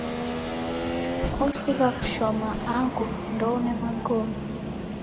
Osigha kushoma angu ndeune magome.